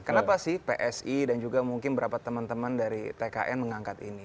kenapa sih psi dan juga mungkin beberapa teman teman dari tkn mengangkat ini